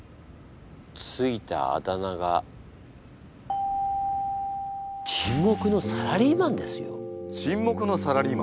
付いたあだ名が沈黙のサラリーマン！